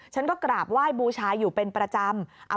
ฉันก็กราบไหว้บูชาอยู่เป็นประจำ